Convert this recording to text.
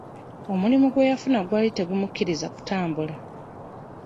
Omulimu gwe yafuna gwali tegumukkiriza kutambula.